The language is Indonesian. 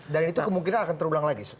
dan itu kemungkinan akan terulang lagi